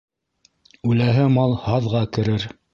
Үләһе мал һаҙға керер.